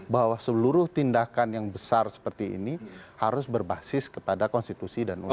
bahwa seluruh tindakan yang besar seperti ini harus berbasis kepada konstitusi dan undang undang